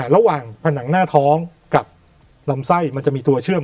ผนังหน้าท้องกับลำไส้มันจะมีตัวเชื่อม